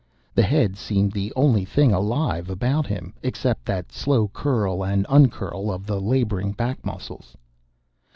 The head seemed the only thing alive about him, except that slow curl and uncurl of the laboring back muscles.